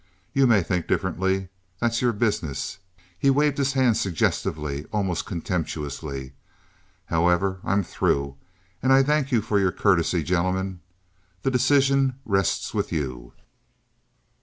You may think differently—that's your business. [He waved his hand suggestively, almost contemptuously.] However, I'm through, and I thank you for your courtesy. Gentlemen, the decision rests with you."